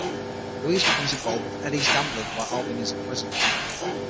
Louise becomes involved with Eddie's gambling while Alvin is in prison.